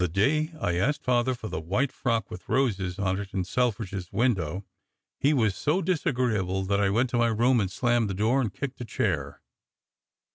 The day I asked Father for the white frock with roses on it in Selfridge s window, he was so disagreeable that I went to my room and slammed the door and kicked a chair.